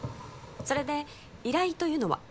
それで依頼というのは？